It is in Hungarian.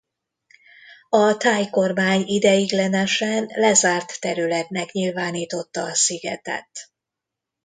A thai kormány ideiglenesen lezárt területnek nyilvánította a szigetet.